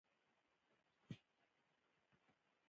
تنور د مینې د بیان یوه ژبه ده